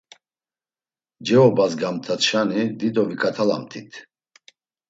Cevobadzgamt̆atşani dido viǩatalamt̆it.